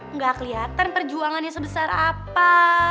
nggak kelihatan perjuangannya sebesar apa